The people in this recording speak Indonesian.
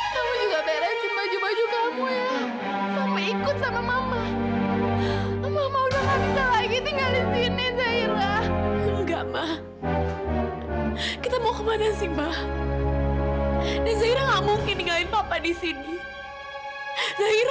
sampai jumpa di video selanjutnya